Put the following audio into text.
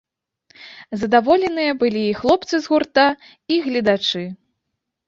Задаволеныя былі і хлопцы з гурта, і гледачы.